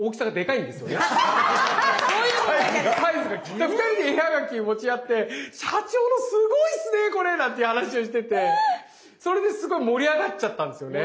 だから２人で絵はがき持ち寄って「社長のすごいっすねこれ」なんていう話をしててそれですごい盛り上がっちゃったんですよね。